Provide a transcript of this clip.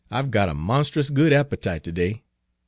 "I 've got a monst'us good appetite ter day.